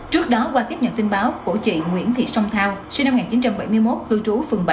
trước đó qua tiếp nhận tin báo của chị nguyễn thị sông thao sinh năm một nghìn chín trăm bảy mươi một cư trú phường bảy